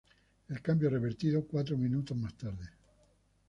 El cambio revertido cuatro minutos más tarde.